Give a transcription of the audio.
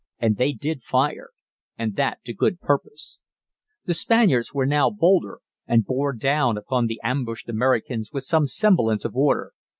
And they did fire, and that to good purpose. The Spaniards were now bolder and bore down upon the ambushed Americans with some semblance of order.